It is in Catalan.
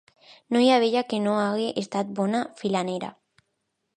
No hi ha vella que no hagi estat bona filanera.